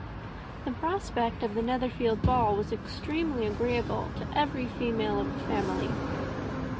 The prospect of the Netherfield ball was extremely agreeable to every female of the family.